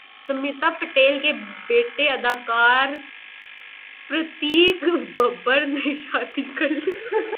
سمیتا پاٹیل کے بیٹے اداکار پرتیک ببر نے شادی کرلی